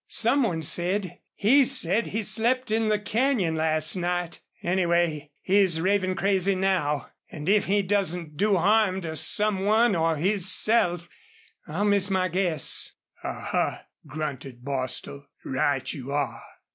Some one said he said he slept in the canyon last night. Anyway, he's ravin' crazy now. An' if he doesn't do harm to some one or hisself I'll miss my guess." "A huh!" grunted Bostil. "Right you are."